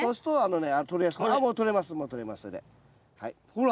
ほら。